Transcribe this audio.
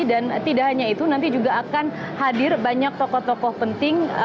dan tidak hanya itu nanti juga akan hadir banyak tokoh tokoh penting